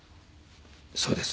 そうです。